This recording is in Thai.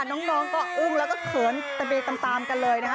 น้องก็อึ้งแล้วก็เขินตะเบตามกันเลยนะคะ